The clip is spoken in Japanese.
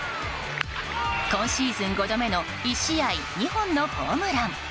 今シーズン５度目の１試合２本のホームラン。